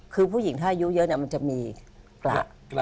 คือผู้หญิงถ้าอายุเยอะมันจะมีพระ